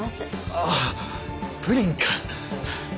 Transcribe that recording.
ああプリンか。